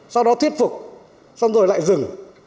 sau đó thuyết phục xong rồi lại dừng